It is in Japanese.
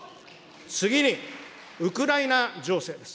次に、ウクライナ情勢です。